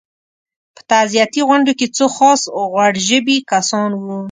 په تعزیتي غونډو کې څو خاص غوړ ژبي کسان وو.